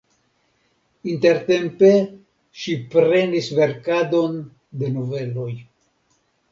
Intertempe ŝi prenis verkadon de noveloj.